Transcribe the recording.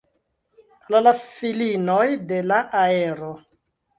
Al la filinoj de la aero!